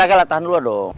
lagi lagi lah tahan dulu dong